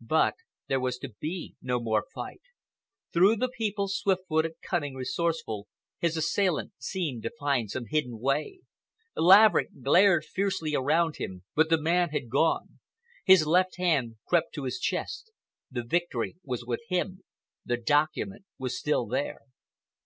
But there was to be no more fight. Through the people, swift footed, cunning, resourceful, his assailant seemed to find some hidden way. Laverick glared fiercely around him, but the man had gone. His left hand crept to his chest. The victory was with him; the document was still there.